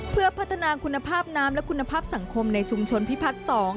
เพื่อพัฒนาคุณภาพน้ำและคุณภาพสังคมในชุมชนพิพัฒน์๒